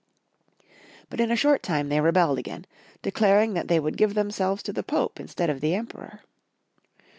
But in a short time they rebelled again, declaring they would give themselves to the Pope instead of the Emperor.